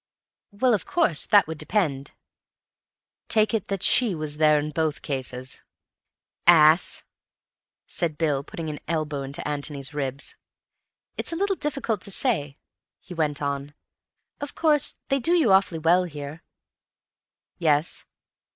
"Well; of course, that would depend—" "Take it that she was there in both cases." "Ass," said Bill, putting an elbow into Antony's ribs. "It's a little difficult to say," he went on. "Of course they do you awfully well here." "Yes.